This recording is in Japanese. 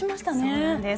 そうなんです。